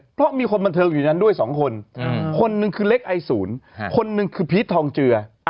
เพราะมีคนบันเทิงอยู่ในนั้นด้วย๒คนคนหนึ่งคือเล็กไอศูนย์คนหนึ่งคือพีชทองเจือ